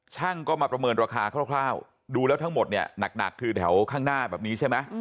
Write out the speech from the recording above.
ช่างก็มาประเมินราคาคร่าวดูแล้วทั้งหมดเนี่ยหนักคือแถวข้างหน้าแบบนี้ใช่ไหม